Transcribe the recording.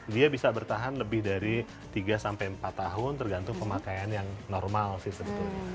dia bisa bertahan lebih dari tiga sampai empat tahun tergantung pemakaian yang normal sih sebetulnya